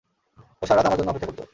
ও সারা রাত আমার জন্য অপেক্ষা করত।